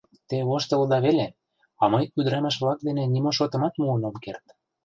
Те воштылыда веле, а мый ӱдырамаш-влак дене нимо шотымат муын ом керт.